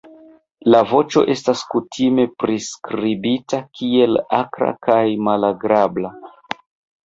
La voĉo estas kutime priskribita kiel akra kaj malagrabla.